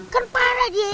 kan parah dia